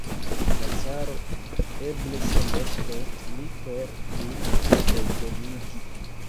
La caro eble sendos post ni por nin revenigi!